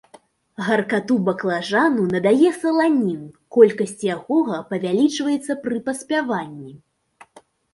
Гаркату баклажану надае саланін, колькасць якога павялічваецца пры паспяванні.